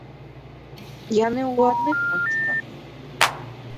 Яны ў адных мундзірах.